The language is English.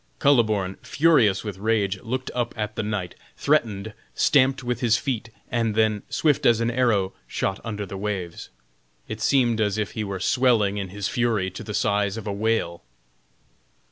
Kuhleborn, furious with rage, looked up at the knight, threatened, stamped with his feet, and then swift as an arrow shot under the waves. It seemed as if he were swelling in his fury to the size of a whale.